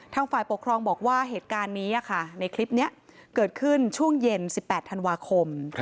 ฝ่ายปกครองบอกว่าเหตุการณ์นี้ในคลิปนี้เกิดขึ้นช่วงเย็น๑๘ธันวาคม